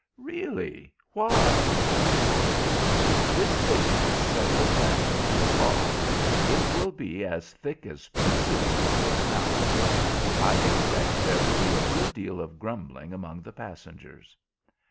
"Really. Why?" asked George. "This haze is settling down into a fog. It will be as thick as pea soup before an hour. I expect there will be a good deal of grumbling among the passengers."